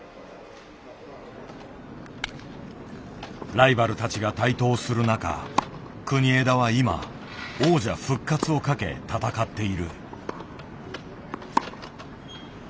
ライバルたちが台頭する中国枝は今王者復活をかけ戦っている。